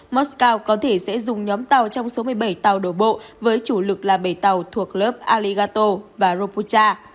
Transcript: moscow có thể sẽ dùng nhóm tàu trong số một mươi bảy tàu đổ bộ với chủ lực là bảy tàu thuộc lớp alital và ropucha